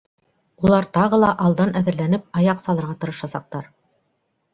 Улар тағы ла алдан әҙерләнеп аяҡ салырға тырышасаҡтар.